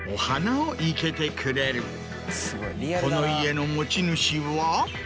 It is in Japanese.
この家の持ち主は。